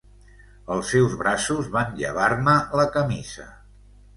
Els seus braços van llevar-me la camisa.